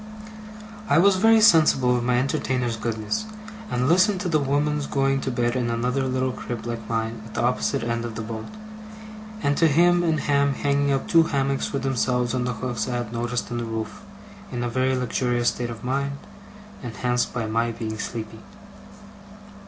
I was very sensible of my entertainer's goodness, and listened to the women's going to bed in another little crib like mine at the opposite end of the boat, and to him and Ham hanging up two hammocks for themselves on the hooks I had noticed in the roof, in a very luxurious state of mind, enhanced by my being sleepy.